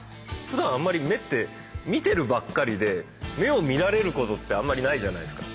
ふだんあんまり目って見てるばっかりで目を見られることってあんまりないじゃないですか。